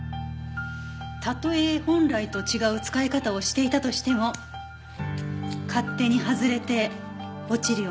たとえ本来と違う使い方をしていたとしても勝手に外れて落ちるような事はない。